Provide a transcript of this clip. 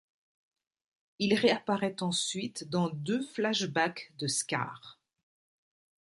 Il réapparait ensuite dans deux flash back de Scar.